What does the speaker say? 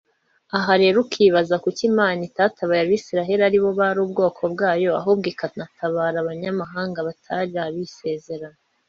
Aha rero ukibaza kuki Imana itatabaye abisilayeli aribo bari ubwoko bwayo ahubwo ikanatabara abanyamahanga batari ab’isezerano